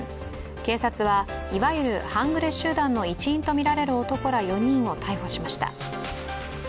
警察は、いわゆる半グレ集団の一員とみられる男ら４人を逮捕しました。